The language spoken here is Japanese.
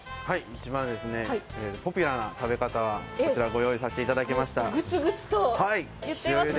一番ポピュラーな食べ方をこちらに御用意させていただきました。